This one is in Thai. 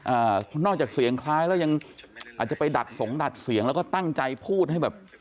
อ่านอกจากเสียงคล้ายแล้วยังอาจจะไปดัดสงดัดเสียงแล้วก็ตั้งใจพูดให้แบบ